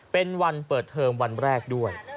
เป็นวันเปิดเทอมวันแรกด้วย